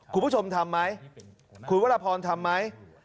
คุณผู้ชมทำไหมคุณวรพรทำไหม